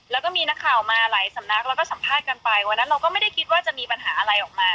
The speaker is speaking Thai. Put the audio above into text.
แล้วก็มีนักข่าวมาหลายสำนักแล้วก็สัมภาษณ์กันไปวันนั้นเราก็ไม่ได้คิดว่าจะมีปัญหาอะไรออกมา